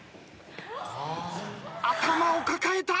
頭を抱えた！